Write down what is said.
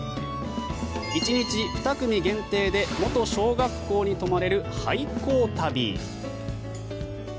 １日２組限定で元小学校に泊まれる廃校旅。